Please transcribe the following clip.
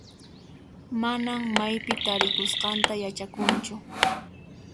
Manan maypi tarikusqanta yachankuchu.